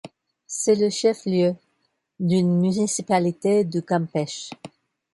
C'est le chef-lieu d'une municipalité du Campeche.